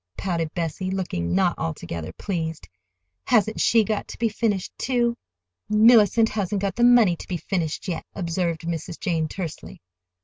pouted Bessie, looking not altogether pleased. "Hasn't she got to be finished, too?" "Mellicent hasn't got the money to be finished—yet," observed Mrs. Jane tersely.